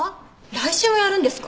来週もやるんですか？